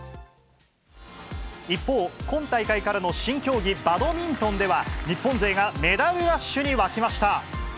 一方、今大会からの新競技、バドミントンでは、日本勢がメダルラッシュに沸きました。